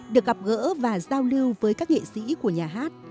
được gặp gỡ và giao lưu với các nghệ sĩ của nhà hát